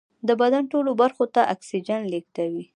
د بدن ټولو برخو ته اکسیجن لېږدوي